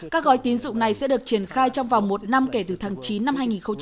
các gói tín dụng này sẽ được triển khai trong vòng một năm kể từ tháng chín năm hai nghìn hai mươi